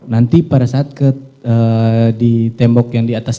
nanti pada saat di tembok yang di atas